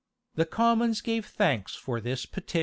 The commons gave thanks for this petition.